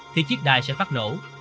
thì chiếc đài sẽ phát nổ